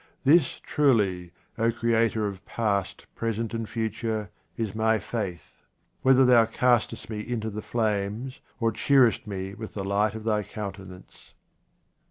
This, truly, O Creator of past, present, and future, is my faith ; whether Thou castest me into the flames, or cheerest me with the light of Thy countenance.